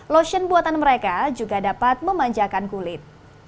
lotion buatan mereka juga dapat memanjakan kulit